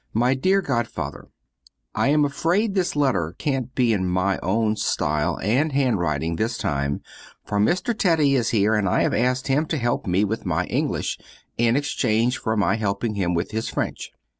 My dear godfather: I am afraid this letter can't be in my own style and handwriting this time, for Mr. Teddy is here and I have asked him to help me with my English, in exchange of my helping him with his French.